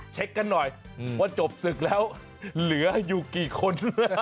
เช็คกันหน่อยว่าจบศึกแล้วเหลืออยู่กี่คน